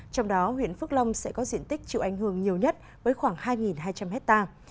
trong đó huyện phước long sẽ có diện tích chịu ảnh hưởng nhiều nhất với khoảng hai hai trăm linh hectare